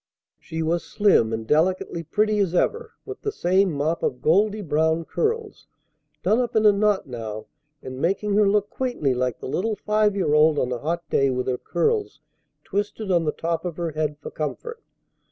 She was slim and delicately pretty as ever, with the same mop of goldy brown curls, done up in a knot now and making her look quaintly like the little five year old on a hot day with her curls twisted on the top of her head for comfort.